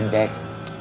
terus joy sama hiding